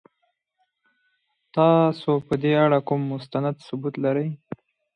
تاسو په دې اړه کوم مستند ثبوت لرئ؟